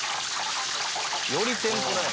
より天ぷらや。